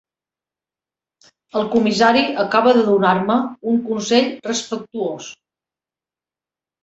El comissari acaba de donar-me un consell respectuós.